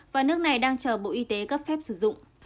và nước này đang chờ bộ y tế cấp phép sử dụng